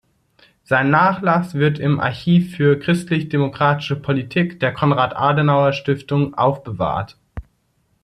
Sein Nachlass wird im Archiv für Christlich-Demokratische Politik der Konrad-Adenauer-Stiftung aufbewahrt.